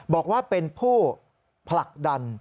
บอกว่าเป็นผู้ผลักดัน